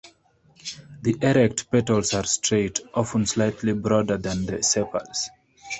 The erect petals are straight, often slightly broader than the sepals.